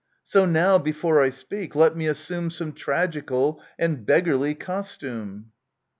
So now, before I speak, let me assume Some tragical and beggarly costume.